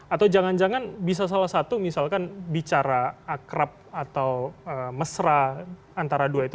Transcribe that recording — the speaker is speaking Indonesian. atau jangan jangan bisa salah satu misalkan bicara akrab atau mesra antara dua itu